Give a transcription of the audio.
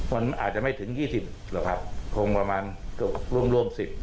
มันอาจจะไม่ถึง๒๐หรอกครับคงประมาณเกือบร่วม๑๐